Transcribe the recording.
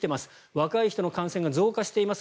若い人の感染が増加しています